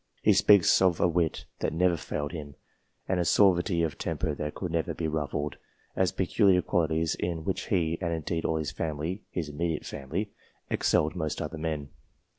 He speaks of a wit that never failed him, and a suavity of temper that could never be ruffled, as peculiar qualities in which he, and indeed all his family (his immediate family), excelled most other men.